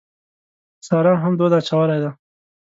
سارا هم دود اچولی دی.